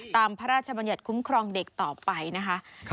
พระราชบัญญัติคุ้มครองเด็กต่อไปนะคะ